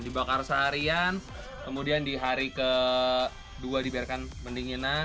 dibakar seharian kemudian di hari ke dua dibiarkan mendinginan